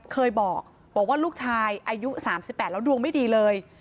เคยบอกว่าลูกชายอายุ๓๘แล้วดวงไม่ดีเลย